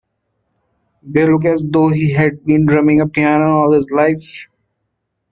They look as though he had been drumming a piano all his life.